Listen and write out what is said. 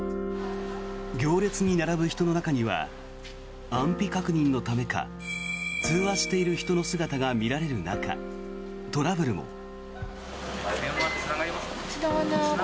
行列に並ぶ人の中には安否確認のためか通話している人の姿が見られる中トラブルも。